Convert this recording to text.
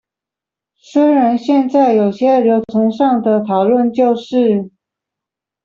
雖然現在有些流程上的討論就是